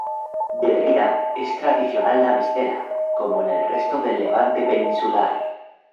De bebida es tradicional la mistela, como en el resto del Levante peninsular.